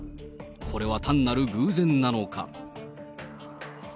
これは単なる偶然なのか。